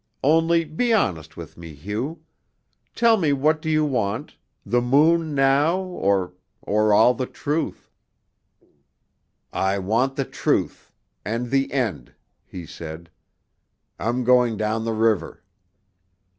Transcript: Only be honest with me, Hugh. Tell me what do you want: the moon now or or all the truth?" "I want the truth and the end," he said. "I'm going down the river."